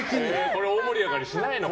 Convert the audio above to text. これ、大盛り上がりしないのか。